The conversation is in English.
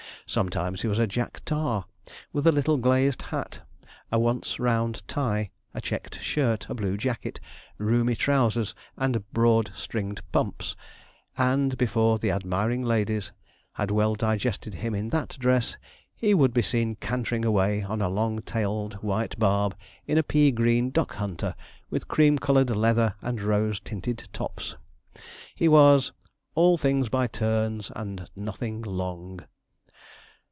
Sometimes he was a Jack tar, with a little glazed hat, a once round tie, a checked shirt, a blue jacket, roomy trousers, and broad stringed pumps; and, before the admiring ladies had well digested him in that dress, he would be seen cantering away on a long tailed white barb, in a pea green duck hunter, with cream coloured leather and rose tinted tops. He was 'All things by turns, and nothing long.'